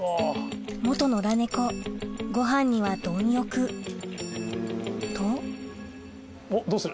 野良猫ごはんには貪欲とおっどうする？